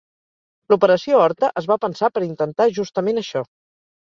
L'operació Horta es va pensar per intentar justament això.